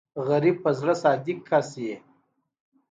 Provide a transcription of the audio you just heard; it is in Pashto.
غریب د زړه صادق کس وي